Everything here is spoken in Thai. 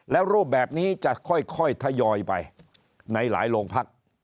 แล้วรูปแบบนี้จะค่อยทยอยไปในหลายโรงพัก